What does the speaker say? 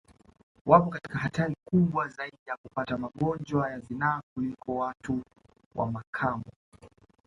Wapo katika hatari kubwa zaidi ya kupata magonjwa ya zinaa kuliko watu wa makamo